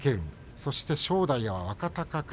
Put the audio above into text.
そして正代は若隆景。